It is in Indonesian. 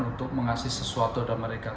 untuk mengasih sesuatu ke mereka